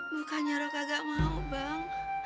bukannya roh gak mau bang